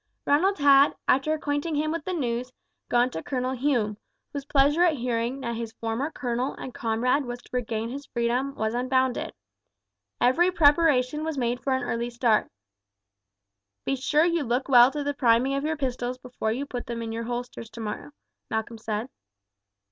Ronald had, after acquainting him with the news, gone to Colonel Hume, whose pleasure at hearing that his former colonel and comrade was to regain his freedom was unbounded. Every preparation was made for an early start. "Be sure you look well to the priming of your pistols before you put them in your holsters tomorrow," Malcolm said.